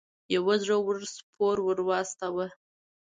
یو زړه ور سپور ور واستاوه.